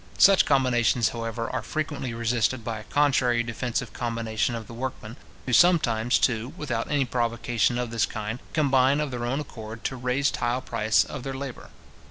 Such combinations, however, are frequently resisted by a contrary defensive combination of the workmen, who sometimes, too, without any provocation of this kind, combine, of their own accord, to raise the price of their labour.